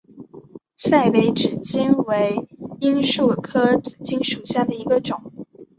赛北紫堇为罂粟科紫堇属下的一个种。